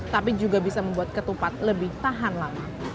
tapi juga bisa membuat ketupat lebih tahan lama